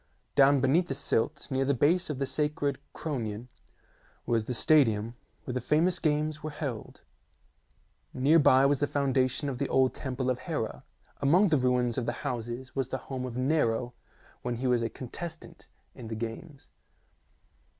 Down beneath the silt near the base of the sacred Chro nion was the stadium where the famous games were held; near by was the foundation of the old temple of Hera ; among the ruins of the houses was the home of Nero when he was a contestant in 96 THE SE^EN WONDERS the games.